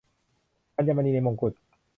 อัญมณีในมงกุฎ